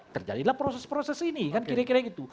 terjadilah proses proses ini kan kira kira gitu